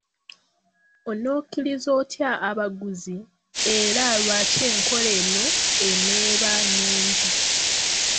Onoosikiriza otya abaguzi era lwaki enkola eno eneeba nnungi?